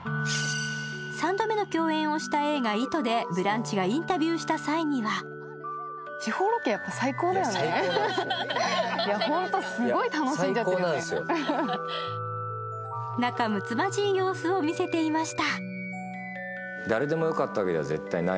３度目の共演をした映画「糸」で「ブランチ」がインタビューした際には仲むつまじい様子を見せていました。